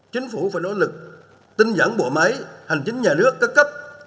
chính phủ phải nỗ lực tinh dẫn bộ máy hành chính nhà nước các cấp